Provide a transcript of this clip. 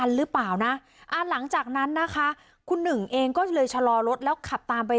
หรือเปล่านะอ่าหลังจากนั้นนะคะคุณหนึ่งเองก็เลยชะลอรถแล้วขับตามไป